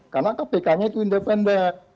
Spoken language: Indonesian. karena kpk nya itu independen